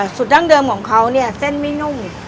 ดั้งเดิมของเขาเนี่ยเส้นไม่นุ่ม